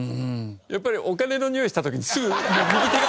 やっぱりお金のにおいした時にすぐ右手が。